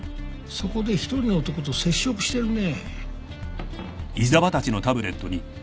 そこで一人の男と接触してるね。